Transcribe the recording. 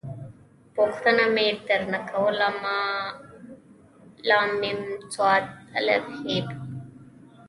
پوښتنه مې در نه کوله ما …ل …م ص … ا .. ح… ب.